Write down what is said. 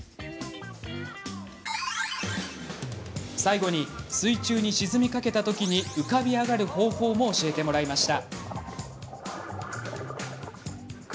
最後に水中に沈みかけたときに浮かび上がる方法も教えてもらいました。